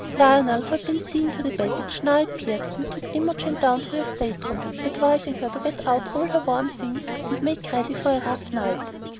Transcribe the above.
Lionel, who had been seeing to the baggage, now appeared, and took Imogen down to her stateroom, advising her to get out all her warm things and make ready for a rough night.